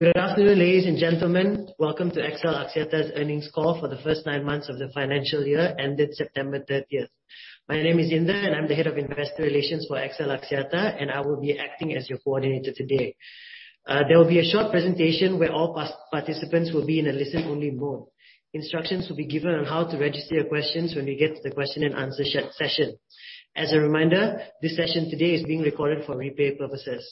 Good afternoon, ladies and gentlemen. Welcome to XLSmart Telecom Sejahtera's earnings call for the first nine months of the financial year ended September 30th. My name is Indah, and I'm the head of investor relations for XLSmart Telecom Sejahtera, and I will be acting as your coordinator today. There will be a short presentation where all participants will be in a listen-only mode. Instructions will be given on how to register your questions when we get to the question and answer session. As a reminder, this session today is being recorded for replay purposes.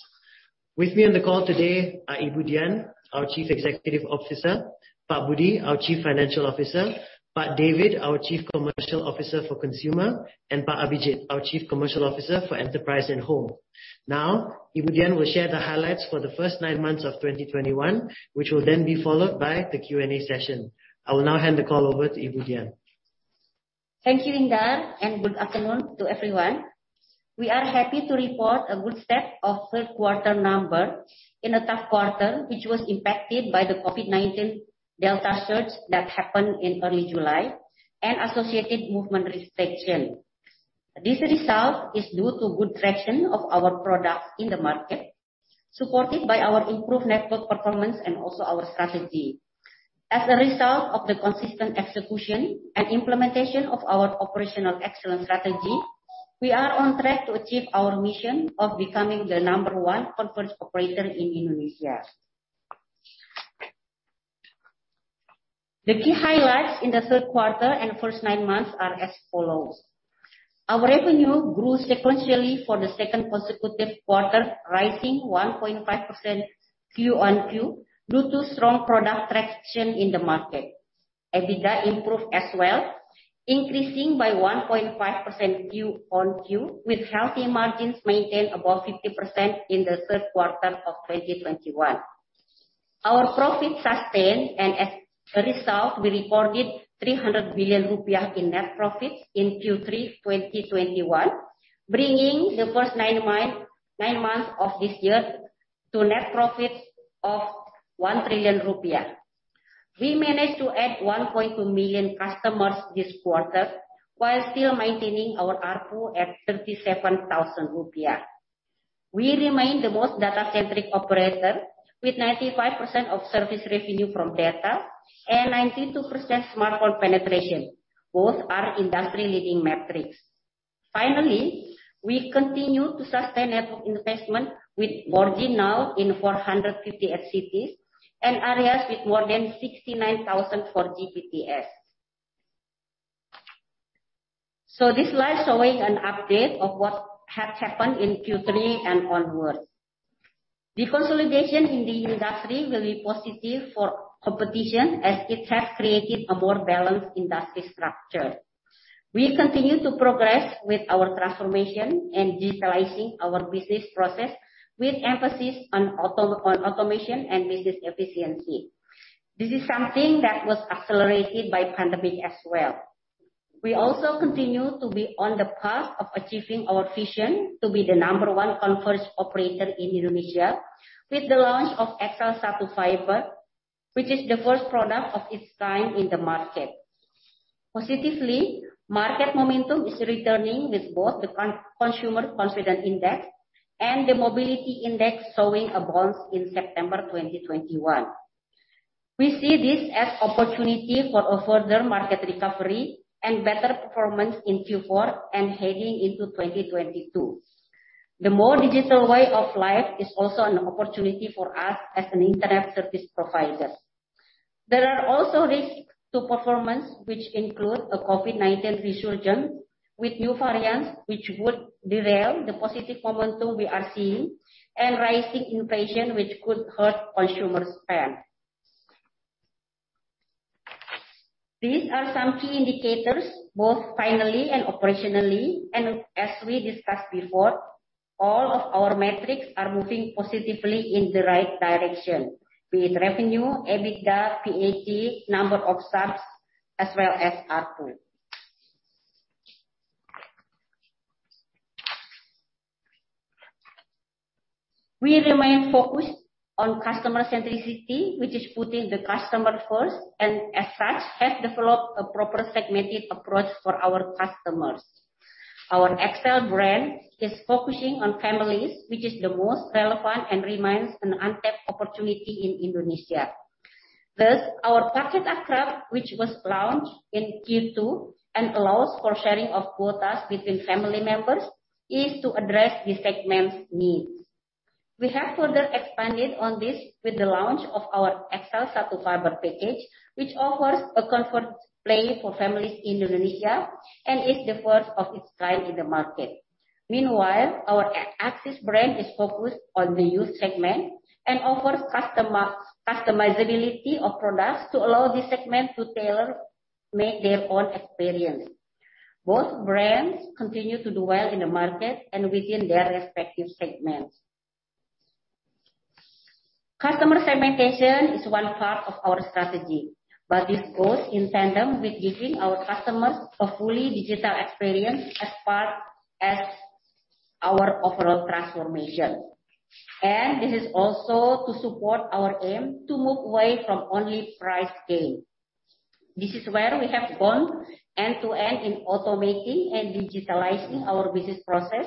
With me on the call today are Ibu Dian, our Chief Executive Officer, Pak Budi, our Chief Financial Officer, Pak David, our Chief Commercial Officer for Consumer, and Pak Abhijit, our Chief Commercial Officer for Enterprise and Home. Now, Ibu Dian will share the highlights for the first nine months of 2021, which will then be followed by the Q&A session. I will now hand the call over to Ibu Dian. Thank you, Indah, and good afternoon to everyone. We are happy to report a good set of third quarter numbers in a tough quarter which was impacted by the COVID-19 Delta surge that happened in early July and associated movement restriction. This result is due to good traction of our products in the market, supported by our improved network performance and also our strategy. As a result of the consistent execution and implementation of our operational excellence strategy, we are on track to achieve our mission of becoming the number one converged operator in Indonesia. The key highlights in the third quarter and first nine months are as follows. Our revenue grew sequentially for the second consecutive quarter, rising 1.5% Q on Q due to strong product traction in the market. EBITDA improved as well, increasing by 1.5% QoQ, with healthy margins maintained above 50% in the third quarter of 2021. Our profit sustained, and as a result, we reported 300 billion rupiah in net profits in Q3 2021, bringing the first 9 months of this year to net profits of 1 trillion rupiah. We managed to add 1.2 million customers this quarter while still maintaining our ARPU at 37,000 rupiah. We remain the most data-centric operator with 95% of service revenue from data and 92% smartphone penetration. Both are industry-leading metrics. We continue to sustain network investment with 4G now in 458 cities in areas with more than 69,000 4G BTS. This slide showing an update of what has happened in Q3 and onwards. The consolidation in the industry will be positive for competition as it has created a more balanced industry structure. We continue to progress with our transformation and digitalizing our business process with emphasis on automation and business efficiency. This is something that was accelerated by the pandemic as well. We also continue to be on the path of achieving our vision to be the number one converged operator in Indonesia with the launch of XL SATU Fiber, which is the first product of its kind in the market. Positively, market momentum is returning with both the consumer confidence index and the mobility index showing a bounce in September 2021. We see this as an opportunity for a further market recovery and better performance in Q4 and heading into 2022. The more digital way of life is also an opportunity for us as an internet service provider. There are also risks to performance which include a COVID-19 resurgence with new variants which would derail the positive momentum we are seeing and rising inflation which could hurt consumer spend. These are some key indicators, both financially and operationally, and as we discussed before, all of our metrics are moving positively in the right direction with revenue, EBITDA, PAT, number of subs, as well as ARPU. We remain focused on customer centricity, which is putting the customer first, and as such, have developed a proper segmented approach for our customers. Our XL brand is focusing on families, which is the most relevant and remains an untapped opportunity in Indonesia. Thus, our Paket Akrab, which was launched in Q2 and allows for sharing of quotas between family members, is to address this segment's needs. We have further expanded on this with the launch of our XL SATU Fiber package, which offers a converged play for families in Indonesia and is the first of its kind in the market. Meanwhile, our AXIS brand is focused on the youth segment and offers customizability of products to allow this segment to tailor make their own experience. Both brands continue to do well in the market and within their respective segments. Customer segmentation is one part of our strategy, but this goes in tandem with giving our customers a fully digital experience as part of our overall transformation. This is also to support our aim to move away from only price gain. This is where we have gone end-to-end in automating and digitalizing our business process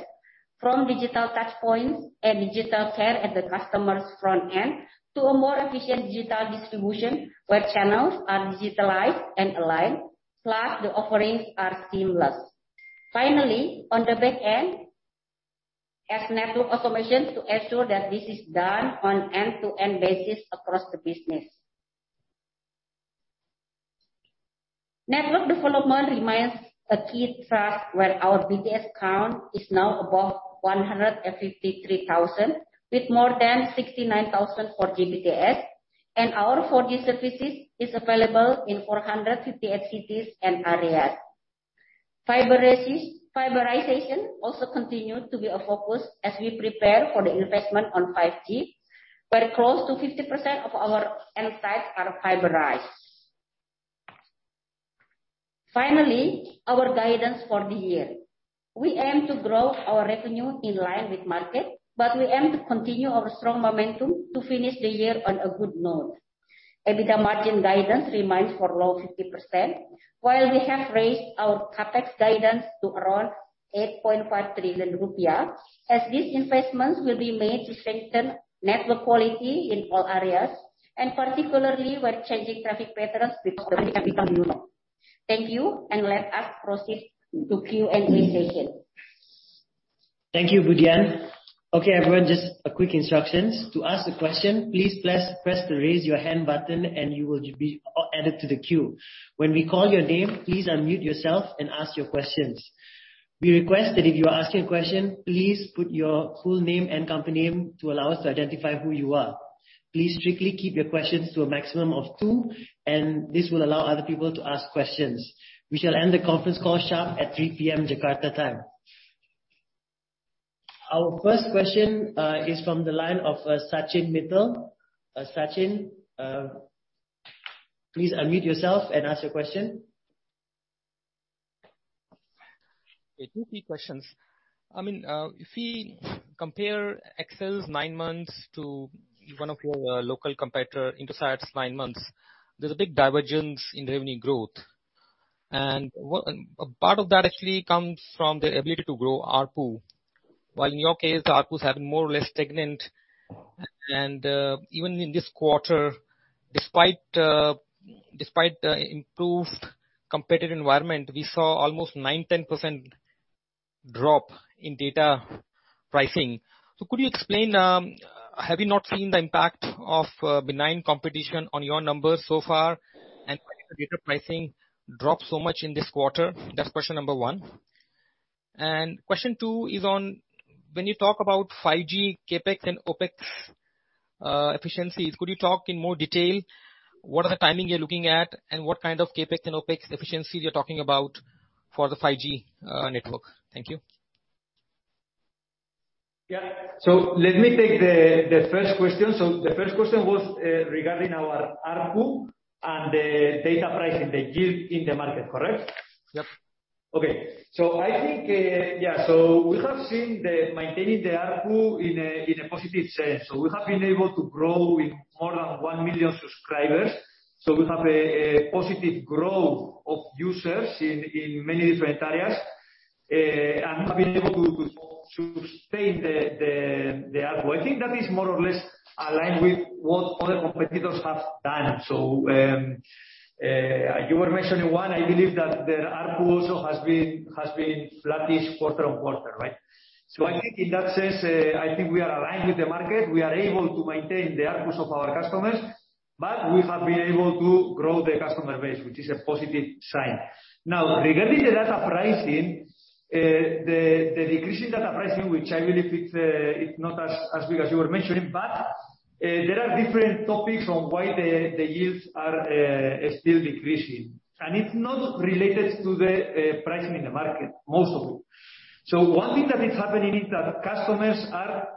from digital touchpoints and digital care at the customer's front end to a more efficient digital distribution where channels are digitalized and aligned, plus the offerings are seamless. Finally, on the back end, with network automations to ensure that this is done on end-to-end basis across the business. Network development remains a key task where our BTS count is now above 153,000, with more than 69,000 4G BTS, and our 4G services is available in 458 cities and areas. Fiberization also continue to be a focus as we prepare for the investment on 5G, where close to 50% of our end sites are fiberized. Finally, our guidance for the year. We aim to grow our revenue in line with market, but we aim to continue our strong momentum to finish the year on a good note. EBITDA margin guidance remains for low 50%, while we have raised our CapEx guidance to around 8.5 trillion rupiah, as these investments will be made to strengthen network quality in all areas, and particularly where changing traffic patterns with the recovery. Thank you, and let us proceed to Q&A session. Thank you, Ibu Dian. Okay, everyone, just a quick instructions. To ask the question, please press the Raise Your Hand button and you will be added to the queue. When we call your name, please unmute yourself and ask your questions. We request that if you are asking a question, please put your full name and company name to allow us to identify who you are. Please strictly keep your questions to a maximum of two, and this will allow other people to ask questions. We shall end the conference call sharp at 3 P.M. Jakarta time. Our first question is from the line of Sachin Mittal. Sachin, please unmute yourself and ask your question. Yeah, two quick questions. I mean, if we compare XL's nine months to one of your local competitor, Indosat's nine months, there's a big divergence in the revenue growth. A part of that actually comes from the ability to grow ARPU. While in your case, ARPU is having more or less stagnant. Even in this quarter, despite the improved competitive environment, we saw almost 9%-10% drop in data pricing. Could you explain, have you not seen the impact of benign competition on your numbers so far? And why has the data pricing dropped so much in this quarter? That's question number one. Question two is on when you talk about 5G CapEx and OpEx efficiencies, could you talk in more detail what are the timing you're looking at and what kind of CapEx and OpEx efficiencies you're talking about for the 5G network? Thank you. Yeah. Let me take the first question. The first question was regarding our ARPU and the data pricing, the yield in the market, correct? Yep. Okay. I think we have seen maintaining the ARPU in a positive sense. We have been able to grow with more than 1 million subscribers. We have a positive growth of users in many different areas and have been able to sustain the ARPU. I think that is more or less aligned with what other competitors have done. You were mentioning one. I believe that the ARPU also has been flattish quarter-on-quarter, right? I think in that sense, I think we are aligned with the market. We are able to maintain the ARPUs of our customers, but we have been able to grow the customer base, which is a positive sign. Now, regarding the data pricing, the decreasing data pricing, which I believe it's not as big as you were mentioning, but there are different topics on why the yields are still decreasing. It's not related to the pricing in the market, most of it. One thing that is happening is that customers are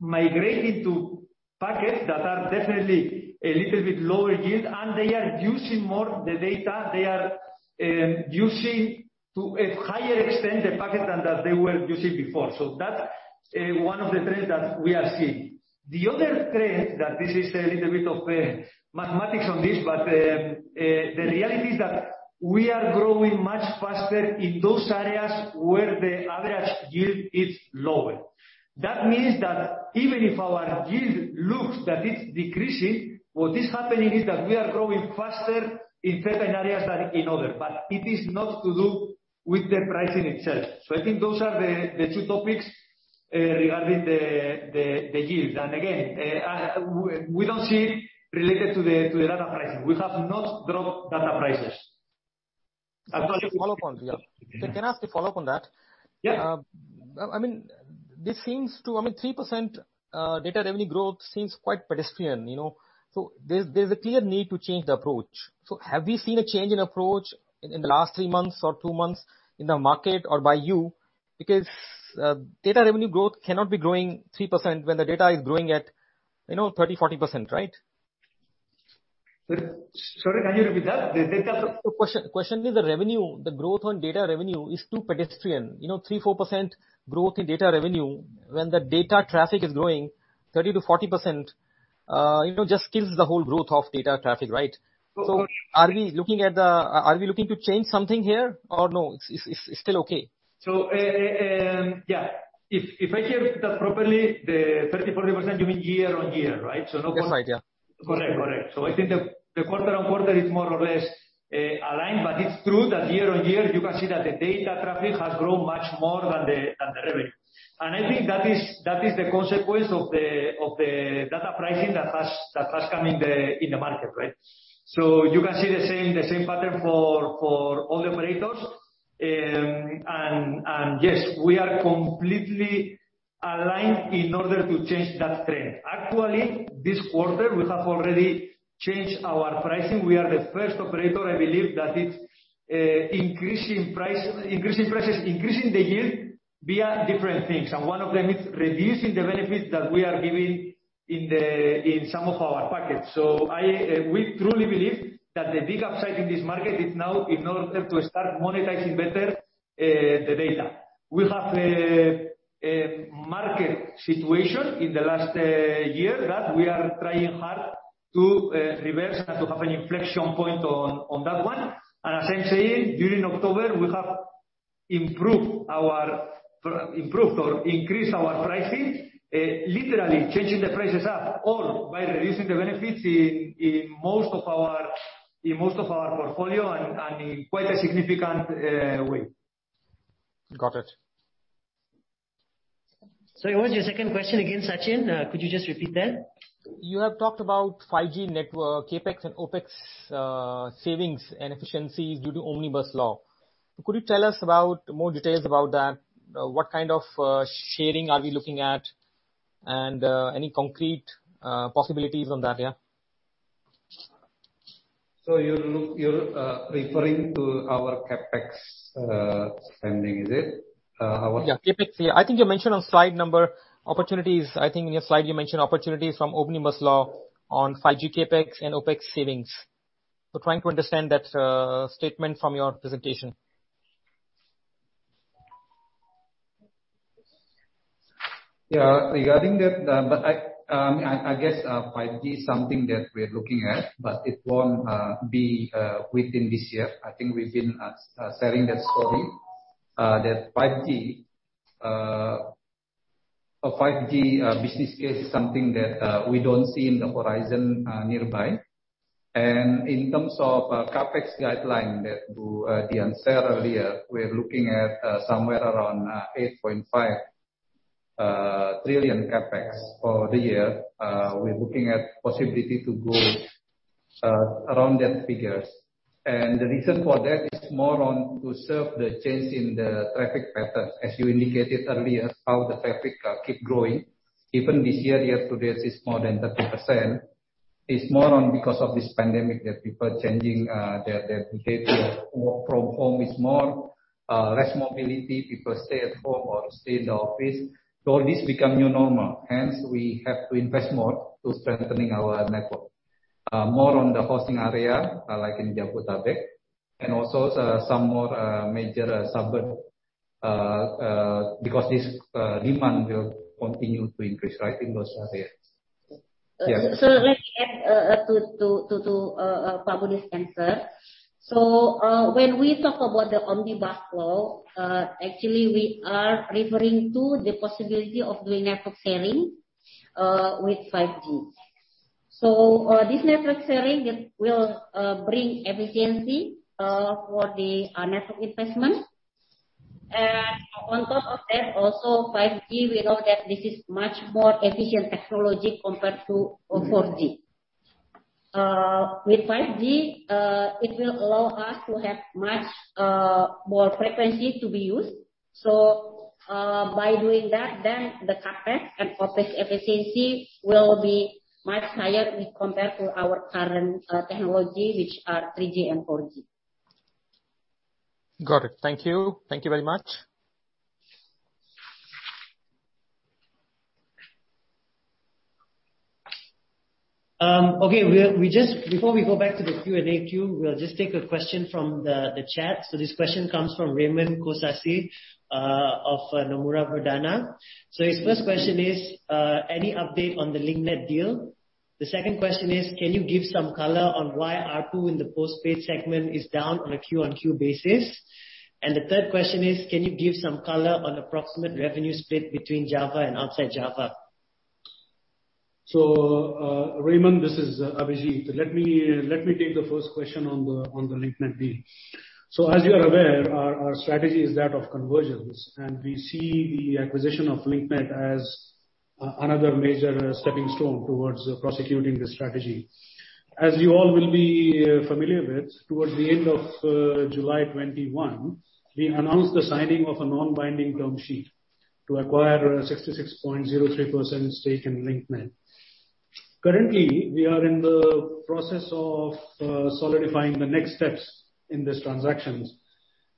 migrating to packets that are definitely a little bit lower yield, and they are using more the data. They are using to a higher extent the packet than that they were using before. That's one of the trends that we are seeing. The other trend that this is a little bit of mathematics on this, but the reality is that we are growing much faster in those areas where the average yield is lower. That means that even if our yield looks that it's decreasing, what is happening is that we are growing faster in certain areas than in others, but it is not to do with the pricing itself. I think those are the two topics regarding the yields. Again, we don't see it related to the data pricing. We have not dropped data prices. Can I ask a follow-up on that? Yeah. I mean, 3% data revenue growth seems quite pedestrian, you know. There's a clear need to change the approach. Have you seen a change in approach in the last three months or two months in the market or by you? Because data revenue growth cannot be growing 3% when the data is growing at, you know, 30, 40%, right? Sorry, can you repeat that? The question is the revenue, the growth on data revenue is too pedestrian. You know, 3%-4% growth in data revenue when the data traffic is growing 30%-40%, you know, just kills the whole growth of data traffic, right? So- Are we looking to change something here or no? It's still okay. Yeah. If I hear that properly, the 30%-40%, you mean year-on-year, right? That's right, yeah. Correct. I think the quarter-over-quarter is more or less aligned. It's true that year-over-year you can see that the data traffic has grown much more than the revenue. I think that is the consequence of the data pricing that has come in the market, right? You can see the same pattern for all the operators. Yes, we are completely aligned in order to change that trend. Actually, this quarter we have already changed our pricing. We are the first operator, I believe, that is increasing prices, increasing the yield via different things. One of them is reducing the benefits that we are giving in some of our packages. We truly believe that the big upside in this market is now in order to start monetizing better the data. We have a market situation in the last year that we are trying hard to reverse and to have an inflection point on that one. As I'm saying, during October, we have improved or increased our pricing, literally changing the prices up or by reducing the benefits in most of our portfolio and in quite a significant way. Got it. What was your second question again, Sachin? Could you just repeat that? You have talked about 5G network CapEx and OpEx, savings and efficiencies due to Omnibus Law. Could you tell us about more details about that? What kind of sharing are we looking at and any concrete possibilities on that, yeah? You're referring to our CapEx spending, is it? How- Yeah, CapEx. Yeah. I think you mentioned on slide number opportunities. I think in your slide you mentioned opportunities from Omnibus Law on 5G CapEx and OpEx savings. Trying to understand that statement from your presentation. Yeah. Regarding that, but I guess 5G is something that we're looking at, but it won't be within this year. I think we've been selling that story that 5G business case is something that we don't see in the horizon nearby. In terms of CapEx guideline that Ibu Dian said earlier, we're looking at somewhere around 8.5 trillion CapEx for the year. We're looking at possibility to grow around that figures. The reason for that is more on to serve the change in the traffic patterns, as you indicated earlier, how the traffic keep growing. Even this year to date is more than 30%. It's more on because of this pandemic that people changing their behavior. Work from home is more, less mobility. People stay at home or stay in the office. This become new normal, hence we have to invest more to strengthening our network. More on the hotspot area, like in Jabodetabek, and also some more major suburb, because this demand will continue to increase, right, in those areas. Let me add to Budi Pramantika's answer. When we talk about the Omnibus Law, actually we are referring to the possibility of doing network sharing with 5G. This network sharing it will bring efficiency for the network investment. On top of that, also 5G, we know that this is much more efficient technology compared to 4G. With 5G, it will allow us to have much more frequency to be used. By doing that, then the CapEx and OpEx efficiency will be much higher compared to our current technology, which are 3G and 4G. Got it. Thank you. Thank you very much. Okay. Before we go back to the Q&A queue, we'll just take a question from the chat. This question comes from Raymond Kosasih of Verdhana Sekuritas Indonesia. His first question is, any update on the Link Net deal? The second question is, can you give some color on why ARPU in the postpaid segment is down on a Q-on-Q basis? And the third question is, can you give some color on approximate revenue split between Java and outside Java? Raymond, this is Abhijt. Let me take the first question on the Link Net deal. As you are aware, our strategy is that of convergence, and we see the acquisition of Link Net as another major stepping stone towards pursuing this strategy. As you all will be familiar with, towards the end of July 2021, we announced the signing of a non-binding term sheet to acquire a 66.03% stake in Link Net. Currently, we are in the process of solidifying the next steps in this transaction.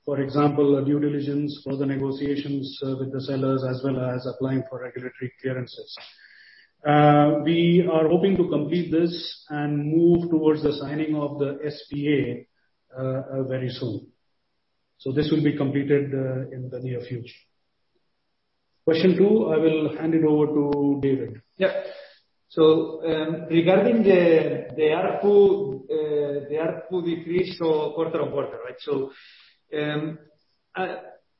For example, due diligence, further negotiations with the sellers, as well as applying for regulatory clearances. We are hoping to complete this and move towards the signing of the SPA very soon. This will be completed in the near future. Question two, I will hand it over to David. Yeah. Regarding the ARPU decrease quarter-over-quarter, right?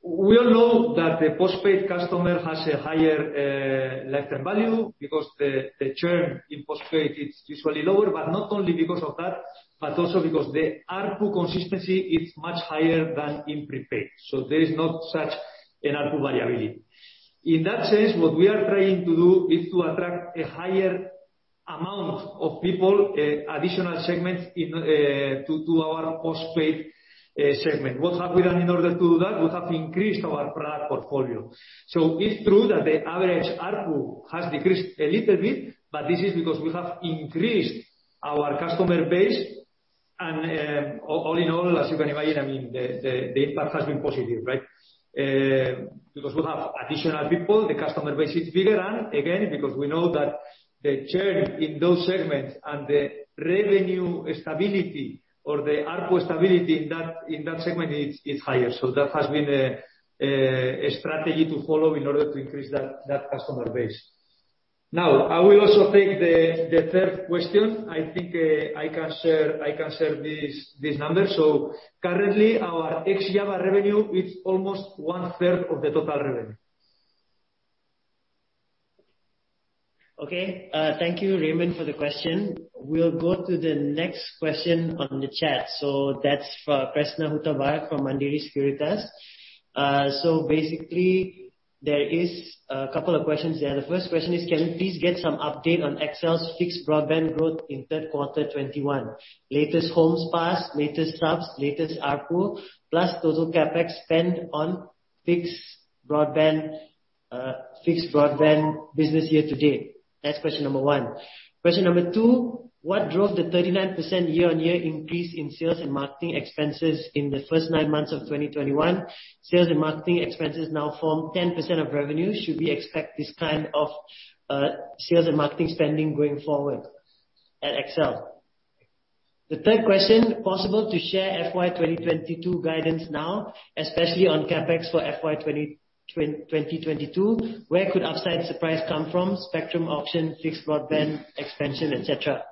We all know that the postpaid customer has a higher lifetime value because the churn in postpaid is usually lower, but not only because of that, but also because the ARPU consistency is much higher than in prepaid. There is not such an ARPU liability. In that sense, what we are trying to do is to attract a higher amount of people, additional segments into our postpaid segment. What have we done in order to do that? We have increased our product portfolio. It's true that the average ARPU has decreased a little bit, but this is because we have increased our customer base. All in all, as you can imagine, I mean, the impact has been positive, right? Because we have additional people, the customer base is bigger. Again, because we know that the churn in those segments and the revenue stability or the ARPU stability in that segment is higher. That has been a strategy to follow in order to increase that customer base. Now, I will also take the third question. I think I can share these numbers. Currently our ex Java revenue is almost 1/3 of the total revenue. Okay. Thank you, Raymond, for the question. We'll go to the next question on the chat. That's for Prasetya Hutahaean from Mandiri Sekuritas. Basically, there is a couple of questions there. The first question is, can we please get some update on XL's fixed broadband growth in Q3 2021? Latest homes passed, latest subs, latest ARPU, plus total CapEx spend on fixed broadband, fixed broadband business year to date. That's question number one. Question number two, what drove the 39% year-on-year increase in sales and marketing expenses in the first nine months of 2021? Sales and marketing expenses now form 10% of revenue. Should we expect this kind of, sales and marketing spending going forward at XL? The third question, possible to share FY 2022 guidance now, especially on CapEx for FY 2022. Where could upside surprise come from? Spectrum auction, fixed broadband expansion, et cetera.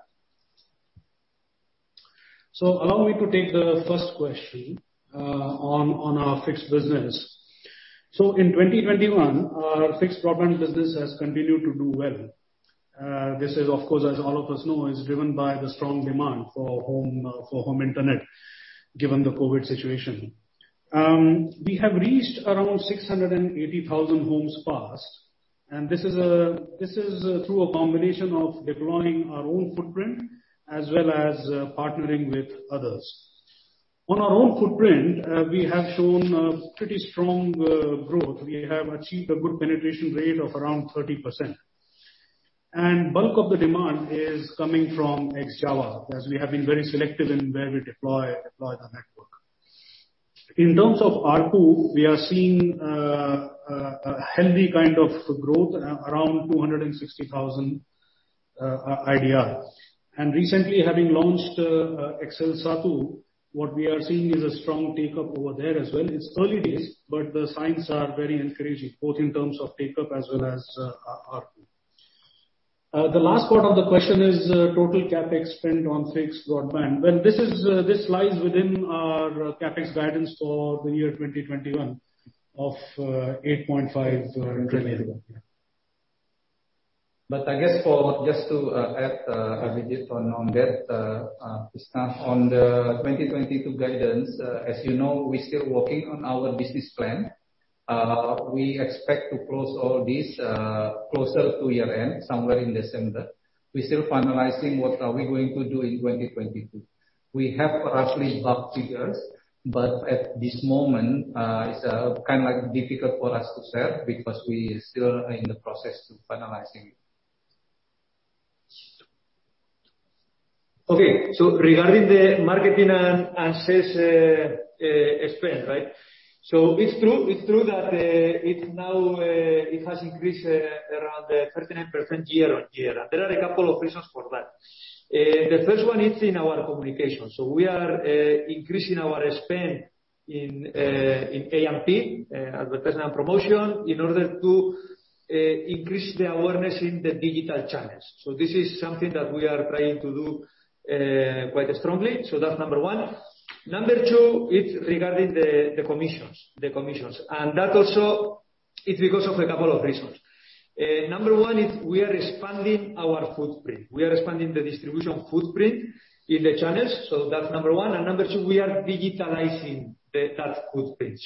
Allow me to take the first question on our fixed business. In 2021, our fixed broadband business has continued to do well. This is, of course, as all of us know, driven by the strong demand for home internet, given the COVID situation. We have reached around 680,000 homes passed, and this is through a combination of deploying our own footprint as well as partnering with others. On our own footprint, we have shown pretty strong growth. We have achieved a good penetration rate of around 30%. Bulk of the demand is coming from ex Java, as we have been very selective in where we deploy the network. In terms of ARPU, we are seeing a healthy kind of growth around 260,000. Recently, having launched XL SATU, what we are seeing is a strong take-up over there as well. It's early days, but the signs are very encouraging, both in terms of take-up as well as ARPU. The last part of the question is total CapEx spend on fixed broadband. Well, this lies within our CapEx guidance for the year 2021 of IDR 8.5 trillion. Just to add, Abhijit, on that, on the 2022 guidance, as you know, we're still working on our business plan. We expect to close all this closer to year-end, somewhere in December. We're still finalizing what are we going to do in 2022. We have rough figures, but at this moment, it's kind of like difficult for us to share because we still are in the process to finalizing. Okay. Regarding the marketing and sales spend, right? It's true that it has increased around 39% year-on-year. There are a couple of reasons for that. The first one is in our communication. We are increasing our spend in in A&P, advertising and promotion, in order to increase the awareness in the digital channels. This is something that we are trying to do quite strongly. That's number one. Number two, it's regarding the commissions. That also is because of a couple of reasons. Number one is we are expanding our footprint. We are expanding the distribution footprint in the channels. That's number one. Number two, we are digitalizing that footprint.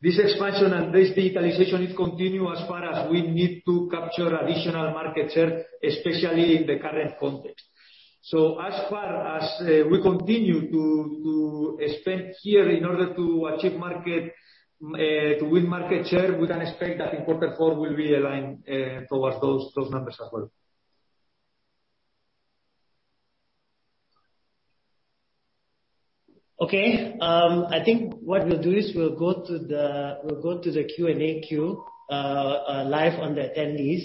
This expansion and this digitalization is continue as far as we need to capture additional market share, especially in the current context. As far as we continue to spend here in order to win market share, we can expect that in quarter four we'll be aligned towards those numbers as well. Okay. I think what we'll do is we'll go to the Q&A queue live on the attendees.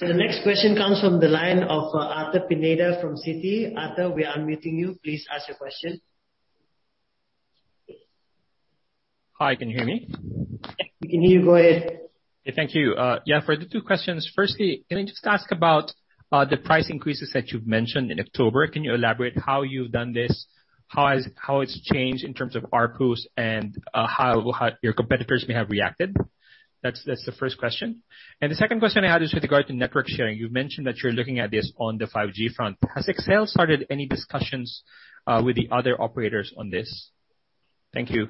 The next question comes from the line of Arthur Pineda from Citi. Arthur, we are unmuting you. Please ask your question. Hi, can you hear me? We can hear you. Go ahead. Thank you. Yeah, for the two questions. Firstly, can I just ask about the price increases that you've mentioned in October? Can you elaborate how you've done this? How it's changed in terms of ARPU, and how your competitors may have reacted? That's the first question. The second question I had is with regard to network sharing. You've mentioned that you're looking at this on the 5G front. Has XL started any discussions with the other operators on this? Thank you.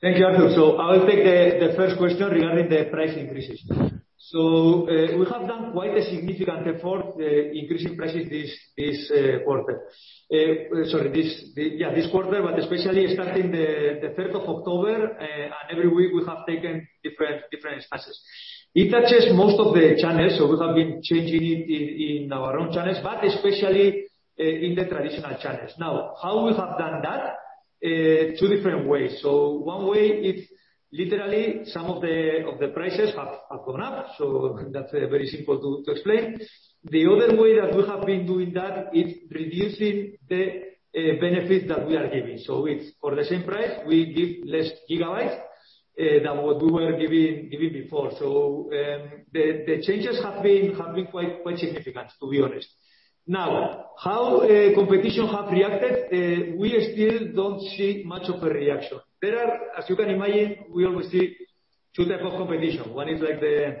Thank you, Arthur. I'll take the first question regarding the price increases. We have done quite a significant effort increasing prices this quarter, but especially starting the third of October, and every week we have taken different steps. It touches most of the channels. We have been changing it in our own channels, but especially in the traditional channels. Now, how we have done that, two different ways. One way, it's literally some of the prices have gone up, that's very simple to explain. The other way that we have been doing that is reducing the benefit that we are giving. It's for the same price, we give less gigabytes than what we were giving before. The changes have been quite significant, to be honest. Now, how competition have reacted, we still don't see much of a reaction. There are, as you can imagine, we always see two type of competition. One is like the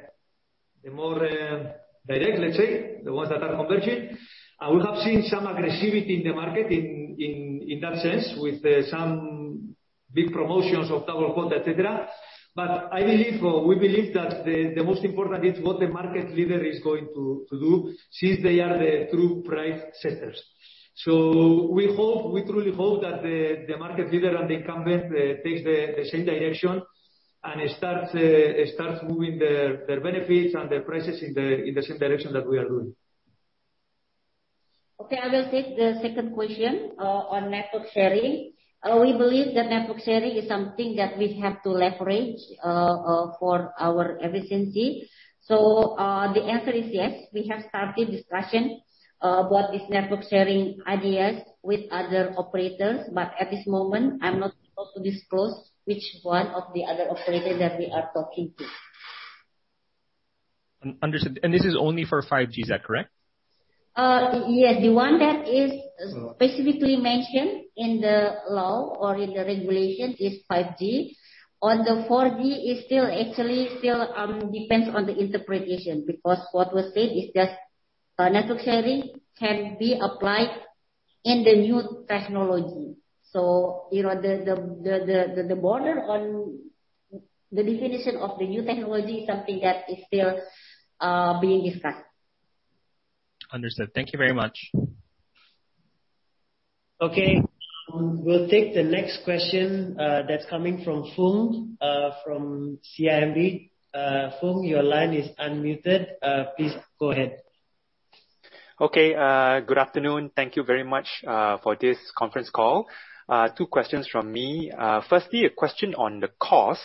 more direct, let's say, the ones that are converging. We have seen some aggressivity in the market in that sense with some big promotions of double quota, et cetera. I believe we believe that the most important is what the market leader is going to do, since they are the true price setters. We hope, we truly hope that the market leader and the incumbent takes the same direction and starts moving their benefits and their prices in the same direction that we are doing. Okay. I will take the second question on network sharing. We believe that network sharing is something that we have to leverage for our efficiency. The answer is yes. We have started discussion about this network sharing ideas with other operators. At this moment, I'm not able to disclose which one of the other operators that we are talking to. Understood. This is only for 5G, is that correct? Yes. The one that is specifically mentioned in the law or in the regulation is 5G. On the 4G is still actually depends on the interpretation, because what was said is just network sharing can be applied in the new technology. You know, the border on the definition of the new technology is something that is still being discussed. Understood. Thank you very much. Okay. We'll take the next question, that's coming from Foong from CIMB. Foong, your line is unmuted. Please go ahead. Okay. Good afternoon. Thank you very much for this conference call. Two questions from me. Firstly, a question on the cost.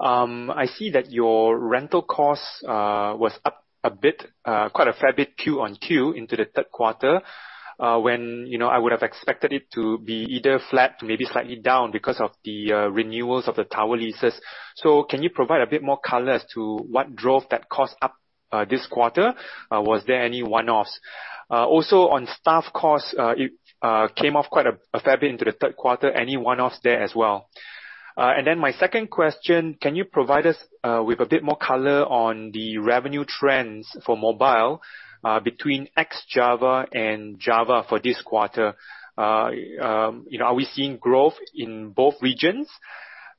I see that your rental cost was up a bit, quite a fair bit QoQ into the third quarter, when, you know, I would have expected it to be either flat, maybe slightly down because of the renewals of the tower leases. Can you provide a bit more color as to what drove that cost up this quarter? Was there any one-offs? Also on staff costs, it came off quite a fair bit into the third quarter. Any one-offs there as well? And then my second question, can you provide us with a bit more color on the revenue trends for mobile between ex-Java and Java for this quarter? You know, are we seeing growth in both regions?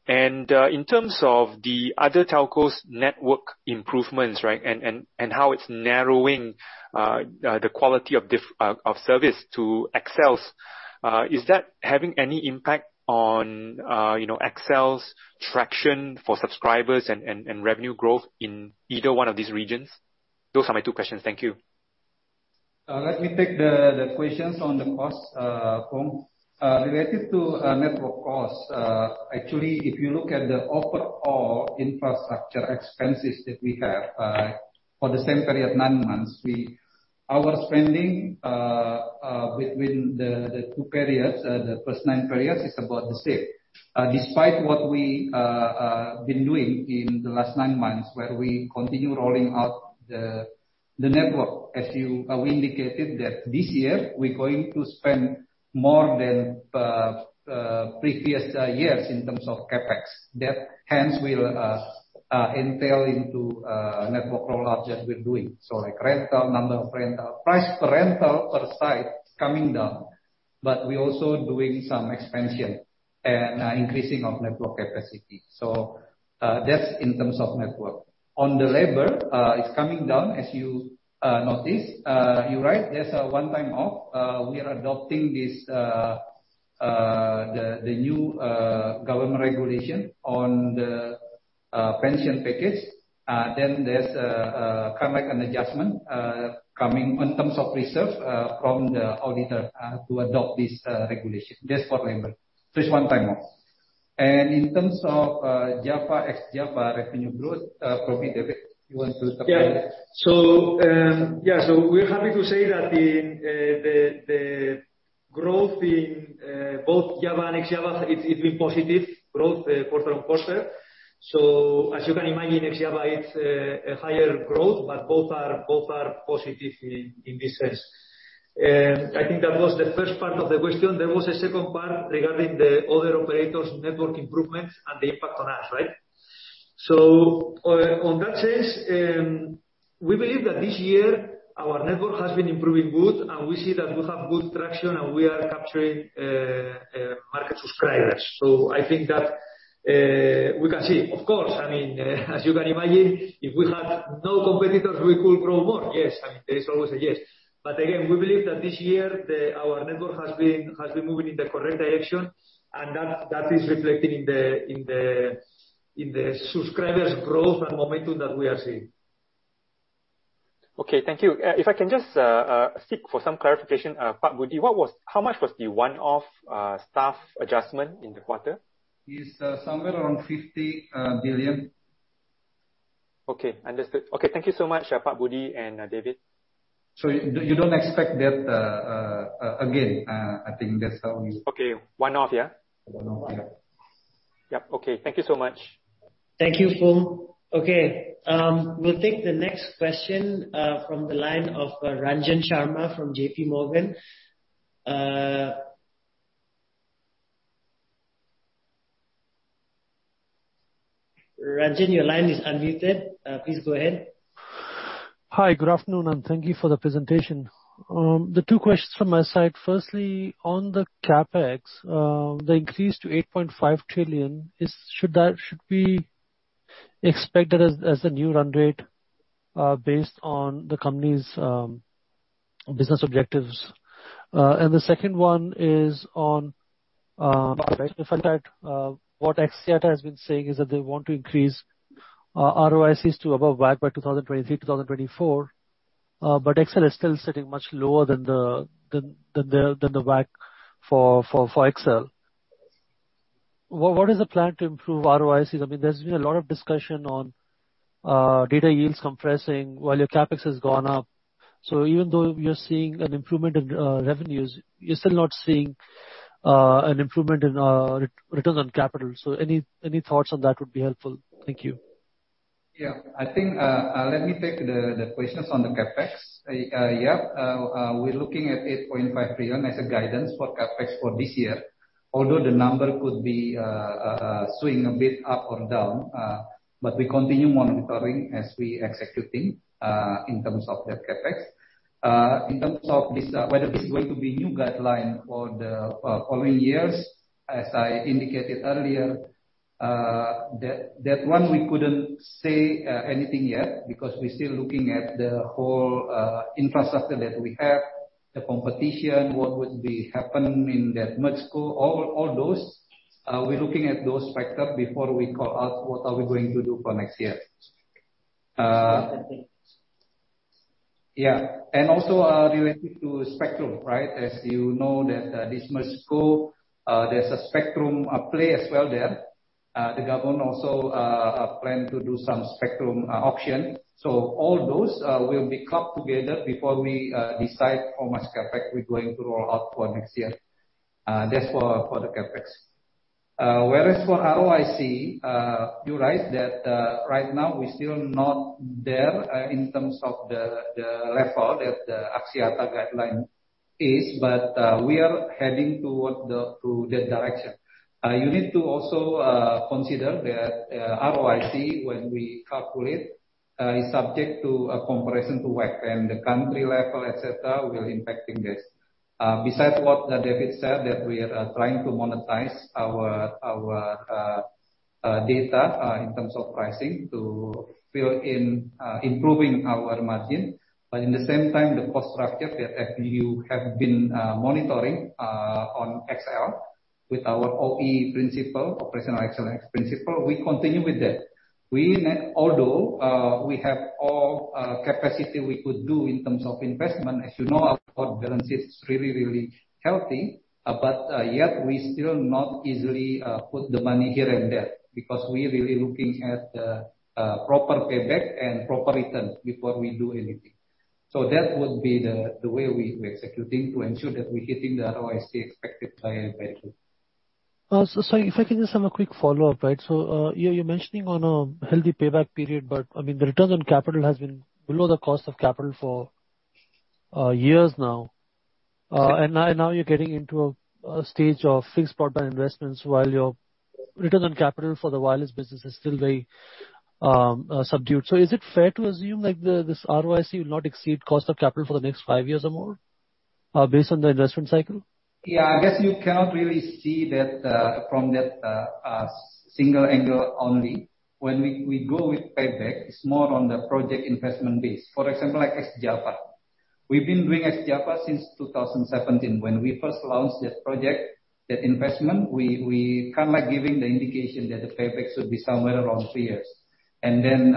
In terms of the other telcos' network improvements, right, and how it's narrowing the quality of service to XL's, is that having any impact on, you know, XL's traction for subscribers and revenue growth in either one of these regions? Those are my two questions. Thank you. Let me take the questions on the cost, Foong. Related to network costs, actually, if you look at the overall infrastructure expenses that we have, for the same period, nine months, our spending between the two periods, the first nine periods, is about the same. Despite what we been doing in the last nine months, where we continue rolling out the network. As we indicated that this year we're going to spend more than previous years in terms of CapEx. That hence will entail into network rollout that we're doing. So like rental, number of rental, price per rental per site is coming down. But we're also doing some expansion and increasing of network capacity. So, that's in terms of network. On the labor, it's coming down as you noticed. You're right, there's a one-time offset. We are adopting the new government regulation on the pension package. There's kind of like an adjustment coming in terms of reserve from the auditor to adopt this regulation. That's for labor. Just one time more. In terms of Java, ex Java revenue growth, probably David you want to- Yeah, we're happy to say that the growth in both Java and ex Java, it's been positive growth, quarter-on-quarter. As you can imagine, ex Java it's a higher growth, but both are positive in this sense. I think that was the first part of the question. There was a second part regarding the other operators network improvements and the impact on us, right? On that sense, we believe that this year our network has been improving good, and we see that we have good traction and we are capturing market subscribers. I think that we can see. Of course, I mean, as you can imagine, if we had no competitors, we could grow more. Yes. I mean, there is always a yes. Again, we believe that this year our network has been moving in the correct direction, and that is reflecting in the subscribers growth and momentum that we are seeing. Okay, thank you. If I can just ask for some clarification, Budi Pramantika. How much was the one-off staff adjustment in the quarter? It's somewhere around 50 billion. Okay, understood. Okay, thank you so much, Budi Pramantika and David. You don't expect that again, I think that's only- Okay. One-off, yeah? One-off. Yeah. Yep. Okay. Thank you so much. Thank you, Foong. Okay, we'll take the next question from the line of Ranjan Sharma from JP Morgan. Ranjan, your line is unmuted. Please go ahead. Hi. Good afternoon, and thank you for the presentation. The two questions from my side. Firstly, on the CapEx, the increase to 8.5 trillion should be expected as the new run rate, based on the company's business objectives? The second one is on the fact that what Axiata has been saying is that they want to increase ROICs to above WACC by 2023, 2024. But XL is still sitting much lower than the WACC for XL. What is the plan to improve ROICs? I mean, there's been a lot of discussion on data yields compressing while your CapEx has gone up. Even though you're seeing an improvement in revenues, you're still not seeing an improvement in return on capital. Any thoughts on that would be helpful. Thank you. I think, let me take the questions on the CapEx. We're looking at 8.5 billion as a guidance for CapEx for this year, although the number could be swing a bit up or down, but we continue monitoring as we executing in terms of that CapEx. In terms of this, whether this is going to be new guideline for the following years, as I indicated earlier, that one we couldn't say anything yet because we're still looking at the whole infrastructure that we have, the competition, what would be happen in that next quarter. All those, we're looking at those factors before we call out what are we going to do for next year. Okay. Also, related to spectrum, right? As you know that, this next quarter, there's a spectrum play as well there. The government also plan to do some spectrum auction. So all those will be caught together before we decide how much CapEx we're going to roll out for next year. That's for the CapEx. Whereas for ROIC, you're right that right now we're still not there in terms of the level that the Axiata guideline is. But we are heading toward that direction. You need to also consider that ROIC, when we calculate, is subject to a comparison to WACC and the country level, et cetera, will impacting this. Besides what David said, that we are trying to monetize our data in terms of pricing to fill in improving our margin, but at the same time, the cost structure that you have been monitoring on XL with our OE principle, operational excellence principle, we continue with that. Although we have all capacity we could do in terms of investment, as you know, our balance sheet's really healthy. Yet we still not easily put the money here and there because we're really looking at the proper payback and proper return before we do anything. That would be the way we're executing to ensure that we're hitting the ROIC expected by two. Sorry, if I can just have a quick follow-up. Right. You're mentioning on a healthy payback period, but I mean, the return on capital has been below the cost of capital for years now. Now you're getting into a stage of fixed broadband investments while your return on capital for the wireless business is still very subdued. Is it fair to assume, like, this ROIC will not exceed cost of capital for the next five years or more, based on the investment cycle? Yeah. I guess you cannot really see that from that single angle only. When we go with payback, it's more on the project investment base. For example, like ex-Java. We've been doing ex-Java since 2017. When we first launched that project, that investment, we kinda like giving the indication that the payback should be somewhere around three years. Then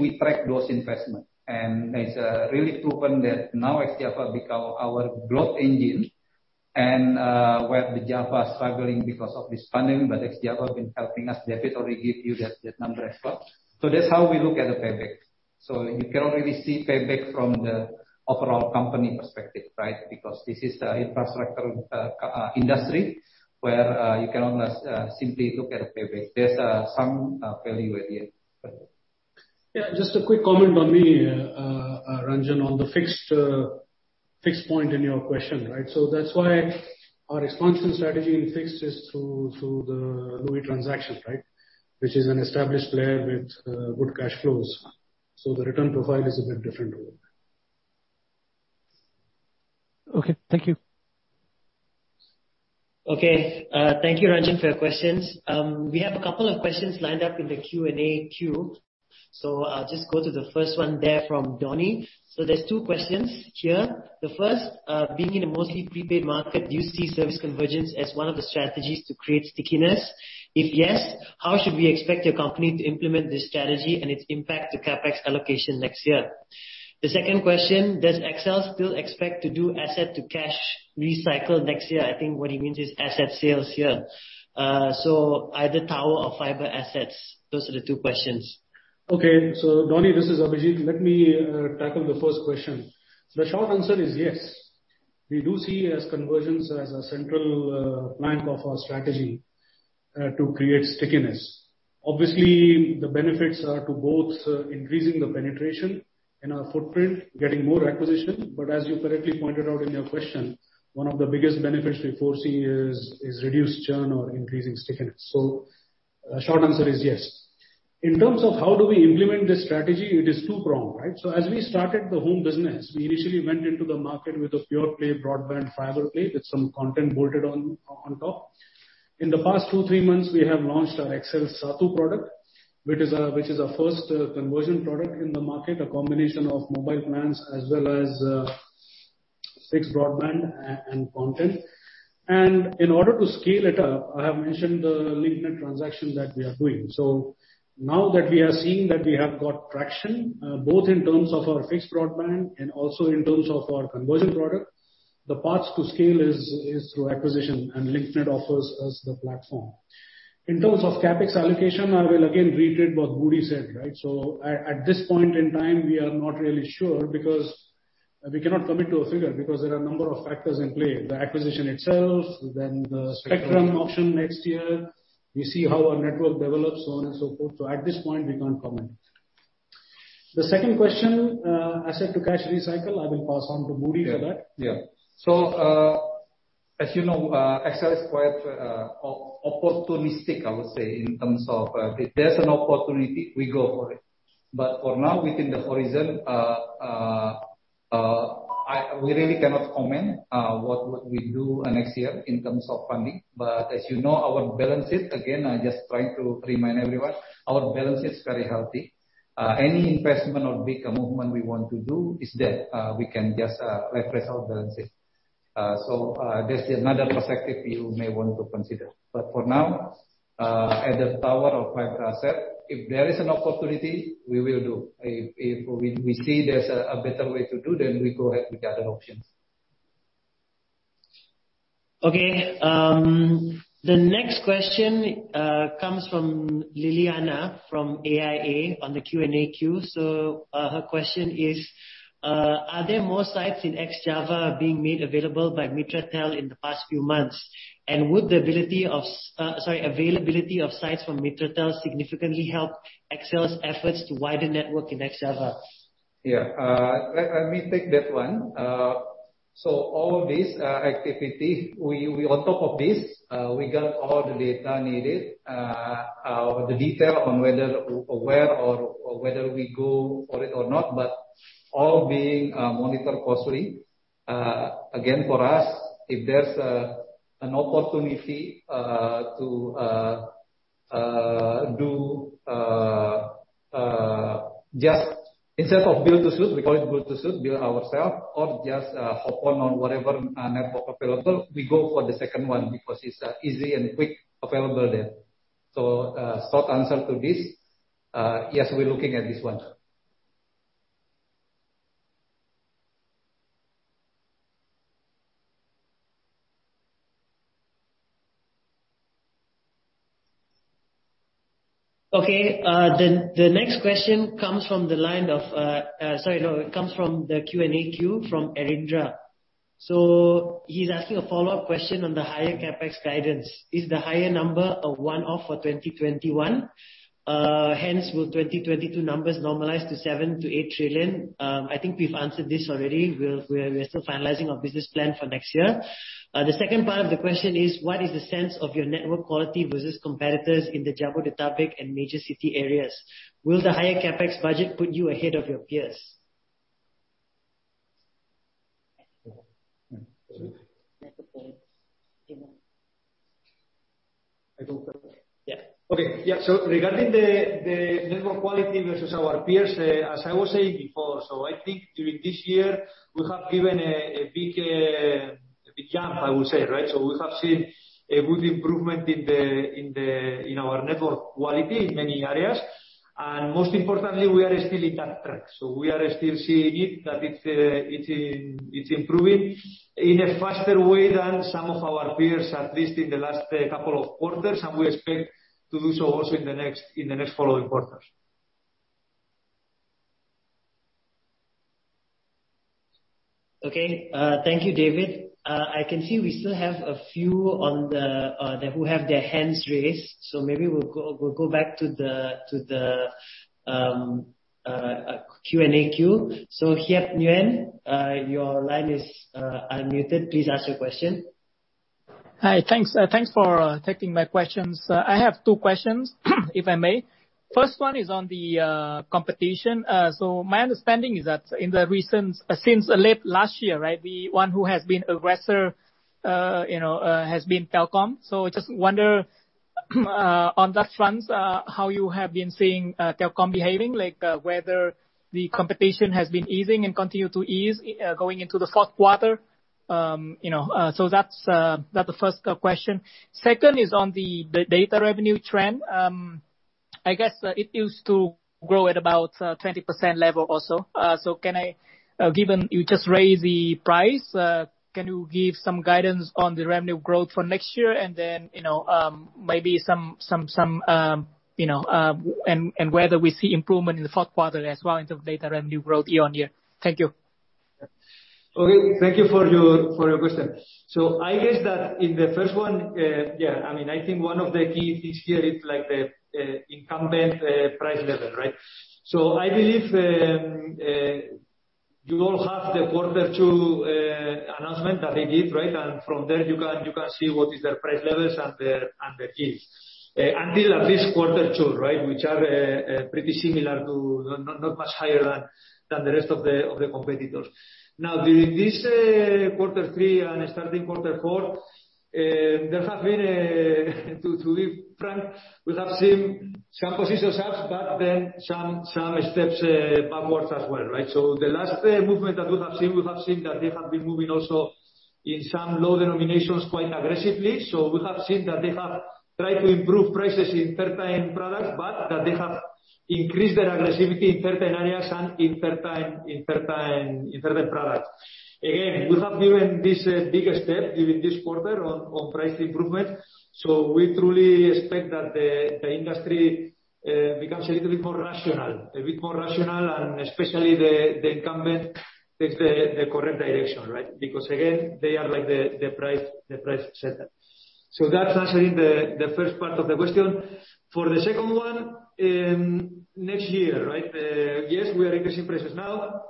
we track those investments. It's really proven that now ex-Java become our growth engine and where the Java is struggling because of this funding. But ex-Java has been helping us. David already gave you that number as well. That's how we look at the payback. You can already see payback from the overall company perspective, right? Because this is the infrastructure industry where you cannot simply look at the payback. There's some value added. Yeah, just a quick comment from me, Ranjan, on the fixed point in your question, right? That's why our expansion strategy in fixed is through the Link Net transaction, right? Which is an established player with good cash flows. The return profile is a bit different over there. Okay. Thank you. Okay. Thank you, Ranjan, for your questions. We have a couple of questions lined up in the Q&A queue. I'll just go to the first one there from Donny. There's two questions here. The first, being in a mostly prepaid market, do you see service convergence as one of the strategies to create stickiness? If yes, how should we expect your company to implement this strategy and its impact to CapEx allocation next year? The second question, does XL still expect to do asset to cash recycle next year? I think what he means is asset sales here. Either tower or fiber assets. Those are the two questions. Okay. Donny, this is Abhijit. Let me tackle the first question. The short answer is yes. We do see convergence as a central plank of our strategy to create stickiness. Obviously, the benefits are to both increasing the penetration in our footprint, getting more acquisition. As you correctly pointed out in your question, one of the biggest benefits we foresee is reduced churn or increasing stickiness. Short answer is yes. In terms of how do we implement this strategy, it is two-pronged, right? As we started the home business, we initially went into the market with a pure-play broadband fiber play with some content bolted on top. In the past two, three months, we have launched our XL SATU product, which is our first convergence product in the market. A combination of mobile plans as well as fixed broadband and content. In order to scale it up, I have mentioned the Link Net transaction that we are doing. Now that we are seeing that we have got traction both in terms of our fixed broadband and also in terms of our conversion product, the path to scale is through acquisition. Link Net offers us the platform. In terms of CapEx allocation, I will again reiterate what Budi said, right? At this point in time, we are not really sure because we cannot commit to a figure because there are a number of factors in play. The acquisition itself, then the spectrum auction next year. We see how our network develops, so on and so forth. At this point, we can't comment. The second question, asset to cash recycle, I will pass on to Budi for that. Yeah. Yeah. As you know, XL is quite opportunistic, I would say, in terms of if there's an opportunity, we go for it. For now within the horizon, we really cannot comment what would we do next year in terms of funding. As you know, our balances, again, I'm just trying to remind everyone, our balance is very healthy. Any investment or big movement we want to do is that we can just refresh our balances. That's another perspective you may want to consider. For now, as a tower or fiber asset, if there is an opportunity, we will do. If we see there's a better way to do, then we go ahead with the other options. Okay. The next question comes from Liliana from AIA on the Q&A queue. Her question is, are there more sites in ex-Java being made available by Mitratel in the past few months? Would the availability of sites from Mitratel significantly help XL's efforts to widen network in ex-Java? Yeah. Let me take that one. So all of these activities, we on top of this, we got all the data needed. The detail on whether we go for it or not, but all being monitored closely. Again, for us, if there's an opportunity to do just instead of build to suit, we call it build to suit, build ourselves or just hop on whatever network available, we go for the second one because it's easy and quick available there. Short answer to this, yes, we're looking at this one. Okay. The next question comes from the Q&A queue from Erindra. He's asking a follow-up question on the higher CapEx guidance. Is the higher number a one-off for 2021? Hence will 2022 numbers normalize to 7-8 trillion? I think we've answered this already. We're still finalizing our business plan for next year. The second part of the question is what is the sense of your network quality versus competitors in the Jabodetabek and major city areas? Will the higher CapEx budget put you ahead of your peers? Okay. Yeah. Regarding the network quality versus our peers, as I was saying before. I think during this year we have given a big It jumped, I would say, right? We have seen a good improvement in our network quality in many areas, and most importantly, we are still in that track. We are still seeing it, that it's improving in a faster way than some of our peers, at least in the last couple of quarters, and we expect to do so also in the next following quarters. Okay. Thank you, David. I can see we still have a few who have their hands raised, so maybe we'll go back to the Q&A queue. Hiep Nguyen, your line is unmuted. Please ask your question. Hi, thanks. Thanks for taking my questions. I have two questions, if I may. First one is on the competition. My understanding is that since late last year, right? The one who has been aggressor, you know, has been Telkom. Just wonder on that front how you have been seeing Telkom behaving, like, whether the competition has been easing and continue to ease going into the fourth quarter. You know, that's the first question. Second is on the data revenue trend. I guess it used to grow at about 20% level also. Given you just raise the price, can you give some guidance on the revenue growth for next year? Whether we see improvement in the fourth quarter as well in terms of data revenue growth year-on-year. Thank you. Okay, thank you for your question. I guess that in the first one, yeah, I mean, I think one of the key things here is like the incumbent price level, right? I believe you all have the quarter two announcement that they give, right? From there you can see what is their price levels and their deals. Until at least quarter two, right? Which are pretty similar, not much higher than the rest of the competitors. Now, during this quarter three and starting quarter four, there have been, to be frank, we have seen some positioning, but then some steps backwards as well, right? The last movement that we have seen, we have seen that they have been moving also in some low denominations quite aggressively. We have seen that they have tried to improve prices in certain products, but that they have increased their aggressiveness in certain areas and in certain products. Again, we have given this bigger step during this quarter on price improvement. We truly expect that the industry becomes a little bit more rational, and especially the incumbent takes the correct direction, right? Because again, they are like the price setter. That's answering the first part of the question. For the second one, next year, right? Yes, we are increasing prices now.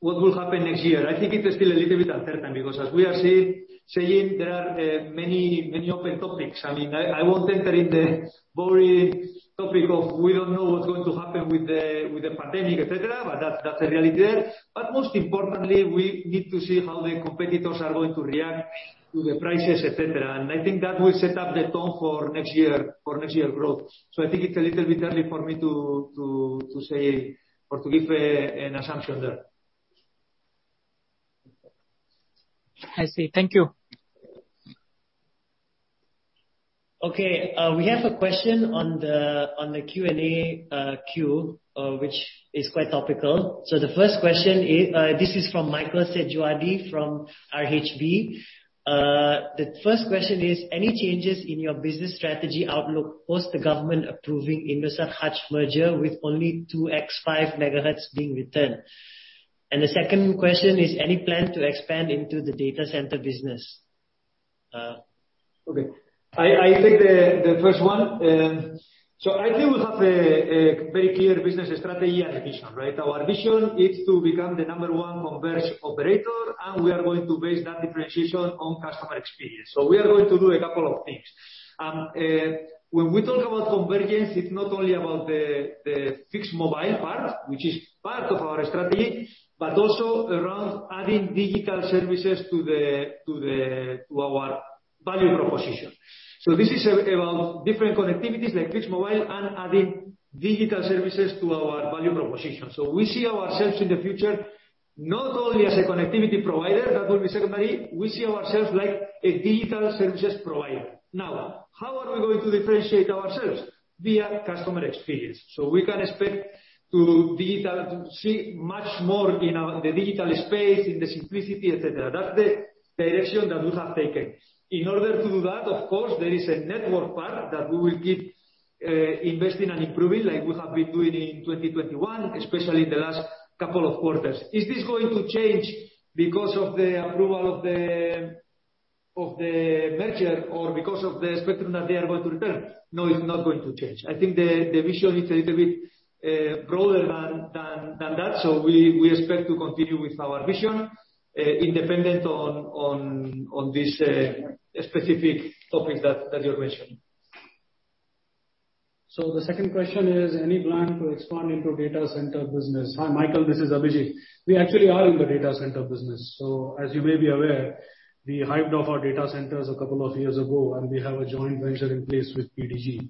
What will happen next year? I think it is still a little bit uncertain because as we are seeing, there are many open topics. I mean, I won't enter in the boring topic of we don't know what's going to happen with the pandemic, et cetera, but that's the reality there. Most importantly, we need to see how the competitors are going to react to the prices, et cetera. I think that will set up the tone for next year growth. I think it's a little bit early for me to say or to give an assumption there. I see. Thank you. Okay, we have a question on the Q&A queue, which is quite topical. The first question is. This is from Michael Setjoadi from RHB. The first question is, any changes in your business strategy outlook post the government approving Indosat Hutch merger with only 2x5 megahertz being returned? And the second question is, any plan to expand into the data center business? Okay. I take the first one. I think we have a very clear business strategy and vision, right? Our vision is to become the number one converged operator, and we are going to base that differentiation on customer experience. We are going to do a couple of things. When we talk about convergence, it's not only about the fixed mobile part, which is part of our strategy, but also around adding digital services to our value proposition. This is about different connectivities like fixed mobile and adding digital services to our value proposition. We see ourselves in the future not only as a connectivity provider, that will be secondary, we see ourselves like a digital services provider. Now, how are we going to differentiate ourselves? Via customer experience. We can expect to digital. To see much more in the digital space, in the simplicity, etc. That's the direction that we have taken. In order to do that, of course, there is a network part that we will keep investing and improving like we have been doing in 2021, especially in the last couple of quarters. Is this going to change because of the approval of the merger or because of the spectrum that they are going to return? No, it's not going to change. I think the vision is a little bit broader than that. We expect to continue with our vision independent of this specific topics that you're mentioning. The second question is any plan to expand into data center business? Hi, Michael, this is Abhijit. We actually are in the data center business. As you may be aware, we spun off our data centers a couple of years ago, and we have a joint venture in place with PDG,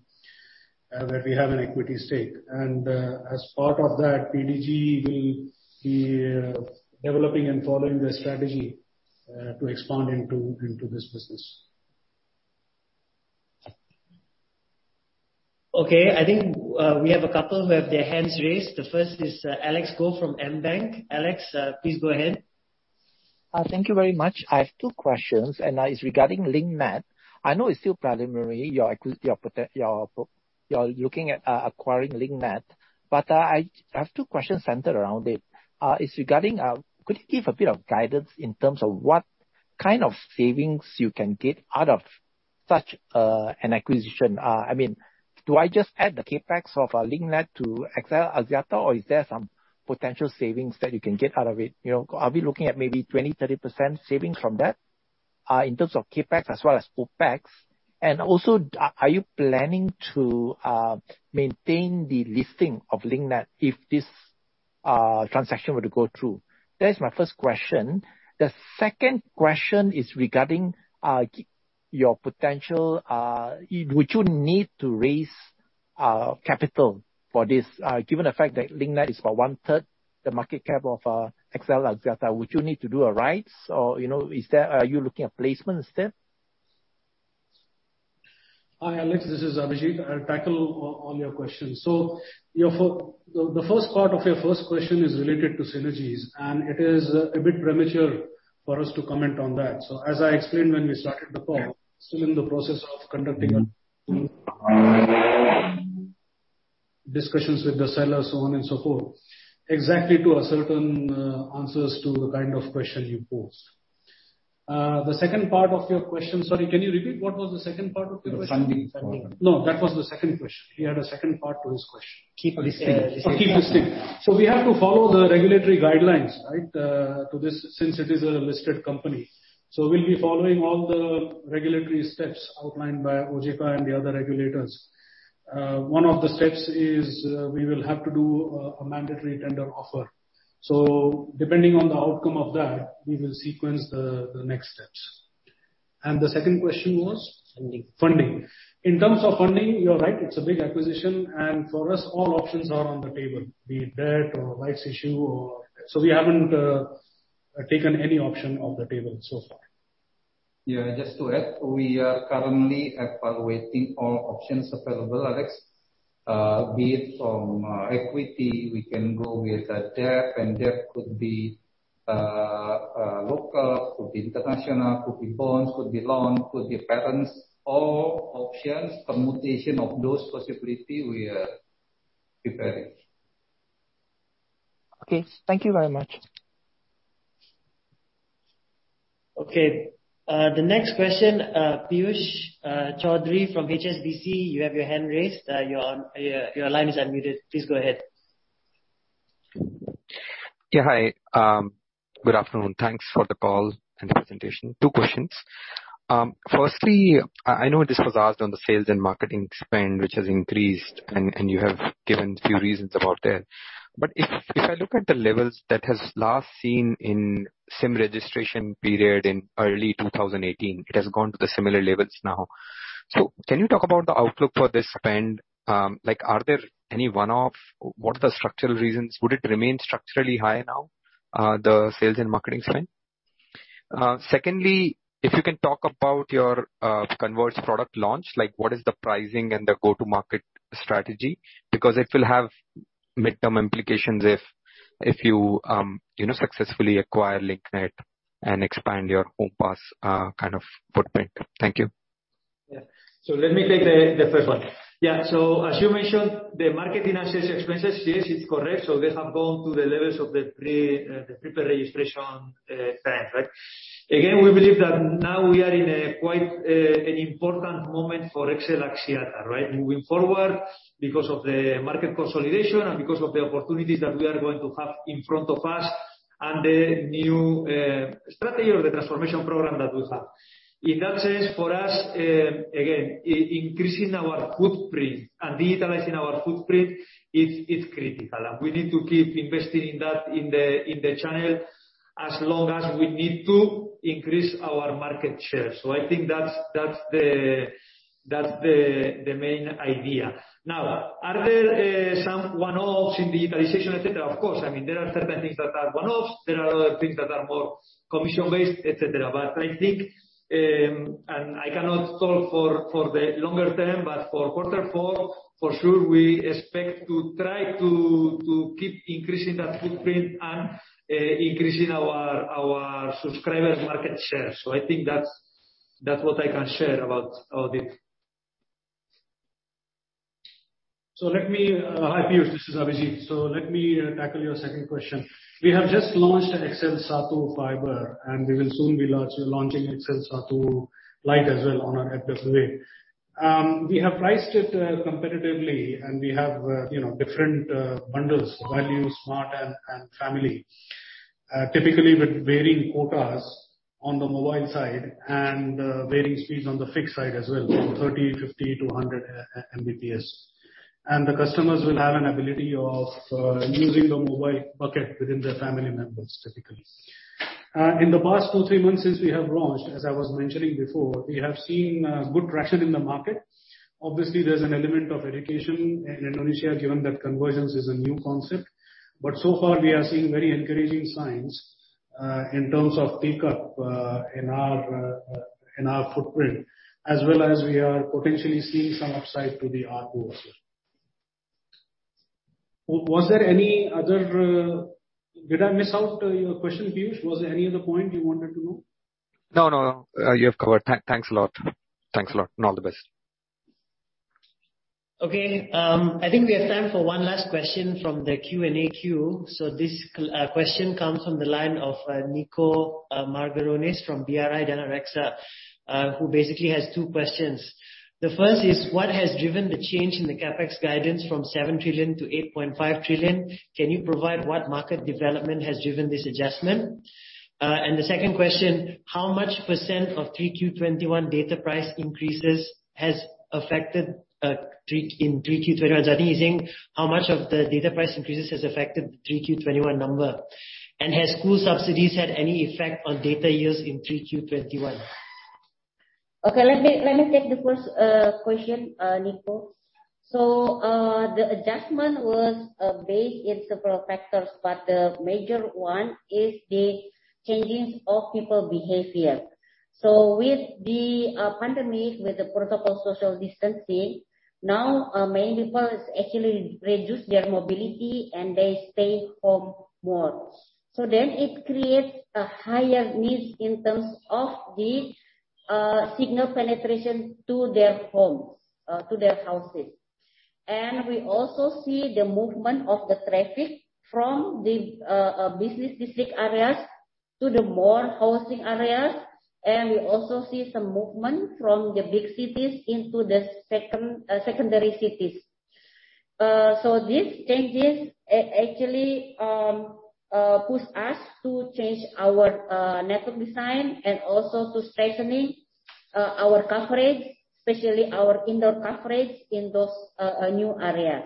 where we have an equity stake. As part of that, PDG will be developing and following their strategy to expand into this business. Okay. I think we have a couple who have their hands raised. The first is Alex Goh from AmBank. Alex, please go ahead. Thank you very much. I have two questions, and it's regarding Link Net. I know it's still preliminary, you're looking at acquiring Link Net. I have two questions centered around it. It's regarding, could you give a bit of guidance in terms of what kind of savings you can get out of such an acquisition? I mean, do I just add the CapEx of Link Net to XL Axiata, or is there some potential savings that you can get out of it? You know, are we looking at maybe 20%-30% savings from that in terms of CapEx as well as OpEx? Also, are you planning to maintain the listing of Link Net if this transaction were to go through? That is my first question. The second question is regarding your potential. Would you need to raise capital for this? Given the fact that Link Net is about 1/3 the market cap of XL Axiata, would you need to do a rights? Or, you know, are you looking at placement instead? Hi, Alex, this is Abhijeet. I'll tackle all your questions. The first part of your first question is related to synergies, and it is a bit premature for us to comment on that. As I explained when we started the call, still in the process of conducting our discussions with the seller, so on and so forth. Exactly to ascertain answers to the kind of question you posed. The second part of your question, sorry, can you repeat what was the second part of your question? The funding part. No, that was the second question. He had a second part to his question. Keep listing. We have to follow the regulatory guidelines, right? To this since it is a listed company. We'll be following all the regulatory steps outlined by OJK and the other regulators. One of the steps is we will have to do a mandatory tender offer. Depending on the outcome of that, we will sequence the next steps. The second question was? Funding. Funding. In terms of funding, you're right, it's a big acquisition, and for us, all options are on the table, be it debt or rights issue. We haven't taken any option off the table so far. Yeah, just to add, we are currently evaluating all options available, Alex. Be it from equity, we can go with debt, and debt could be local, could be international, could be bonds, could be loan, could be perpetuals. All options, permutation of those possibility we are preparing. Okay. Thank you very much. Okay. The next question, Piyush Choudhary from HSBC, you have your hand raised. Your line is unmuted. Please go ahead. Yeah. Hi. Good afternoon. Thanks for the call and the presentation. Two questions. Firstly, I know this was asked on the sales and marketing spend, which has increased, and you have given a few reasons about that. If I look at the levels that has last seen in SIM registration period in early 2018, it has gone to the similar levels now. Can you talk about the outlook for this spend? Like, are there any one-off? What are the structural reasons? Would it remain structurally high now, the sales and marketing spend? Secondly, if you can talk about your converged product launch, like, what is the pricing and the go-to-market strategy? Because it will have midterm implications if you know, successfully acquire Link Net and expand your home pass, kind of footprint. Thank you. Yeah, let me take the first one. Yeah, as you mentioned, the marketing and sales expenses, yes, it's correct. They have gone to the levels of the pre-registration spend, right? Again, we believe that now we are in a quite an important moment for XL Axiata, right? Moving forward because of the market consolidation and because of the opportunities that we are going to have in front of us and the new strategy or the transformation program that we have. In that sense, for us, again, increasing our footprint and digitalizing our footprint is critical, and we need to keep investing in that in the channel as long as we need to increase our market share. I think that's the main idea. Now, are there some one-offs in digitalization, et cetera? Of course. I mean, there are certain things that are one-offs. There are other things that are more commission-based, et cetera. I think, and I cannot talk for the longer term, but for quarter four, for sure we expect to try to keep increasing that footprint and increasing our subscriber market share. I think that's what I can share about all this. Hi, Piyush, this is Abhijit. Let me tackle your second question. We have just launched XL SATU Fiber, and we will soon be launching XL SATU Lite as well on our FWA. We have priced it competitively, and we have you know, different bundles, value, smart, and family. Typically with varying quotas on the mobile side and varying speeds on the fixed side as well, from 30, 50 to 100 Mbps. The customers will have an ability of using the mobile bucket within their family members, typically. In the past two, three months since we have launched, as I was mentioning before, we have seen good traction in the market. Obviously, there's an element of education in Indonesia, given that convergence is a new concept. So far we are seeing very encouraging signs in terms of pick-up in our footprint, as well as we are potentially seeing some upside to the ARPU also. Was there any other? Did I miss out your question, Piyush? Was there any other point you wanted to know? No. You have covered. Thanks a lot, and all the best. Okay. I think we have time for one last question from the Q&A queue. This question comes from the line of Niko Margaronis from BRI Danareksa, who basically has two questions. The first is: What has driven the change in the CapEx guidance from 7 trillion to 8.5 trillion? Can you provide what market development has driven this adjustment? And the second question: How much % of 3Q 2021 data price increases has affected 3Q 2021, Jati is saying, how much of the data price increases has affected the 3Q 2021 number? And has school subsidies had any effect on data use in 3Q 2021? Okay, let me take the first question, Nico. The adjustment was based in several factors, but the major one is the changes of people behavior. With the pandemic, with the protocol social distancing, now many people has actually reduced their mobility, and they stay home more. It creates a higher need in terms of the signal penetration to their homes, to their houses. We also see the movement of the traffic from the business district areas to the more housing areas, and we also see some movement from the big cities into the secondary cities. These changes actually push us to change our network design and also to strengthening our coverage, especially our indoor coverage, in those new areas.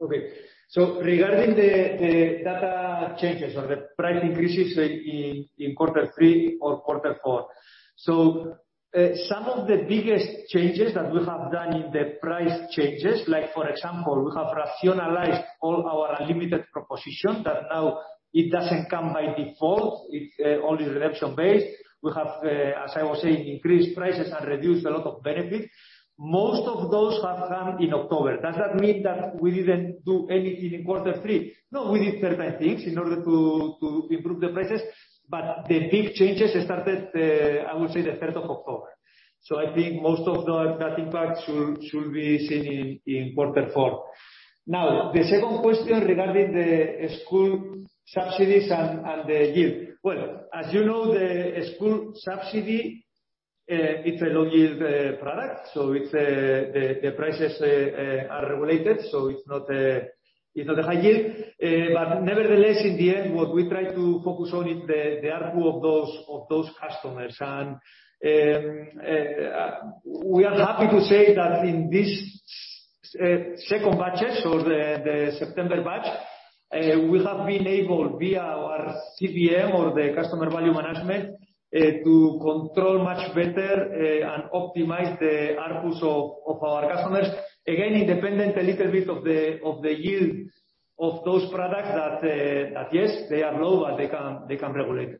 Okay. Regarding the data changes or the price increases in quarter three or quarter four, some of the biggest changes that we have done in the price changes, like for example, we have rationalized all our unlimited propositions, that now it doesn't come by default. It's only redemption-based. We have, as I was saying, increased prices and reduced a lot of benefits. Most of those have come in October. Does that mean that we didn't do anything in quarter three? No. We did certain things in order to improve the prices, but the big changes started, I would say the third of October. I think most of that impact should be seen in quarter four. Now, the second question regarding the school subsidies and the yield. Well, as you know, the school subsidy, it's a low yield product. So it's the prices are regulated, so it's not a high yield. But nevertheless, in the end, what we try to focus on is the ARPU of those customers. We are happy to say that in this second batches or the September batch, we have been able via our CVM or the Customer Value Management to control much better and optimize the ARPUs of our customers. Again, independent a little bit of the yield of those products that yes, they are low, but they can regulate.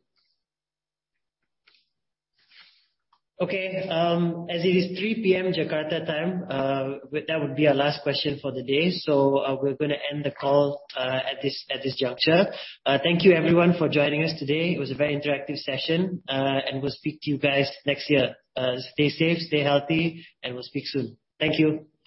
Okay. As it is 3 P.M. Jakarta time, that would be our last question for the day. We're gonna end the call at this juncture. Thank you everyone for joining us today. It was a very interactive session. We'll speak to you guys next year. Stay safe, stay healthy, and we'll speak soon. Thank you.